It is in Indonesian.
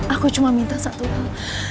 aku cuma minta satu hal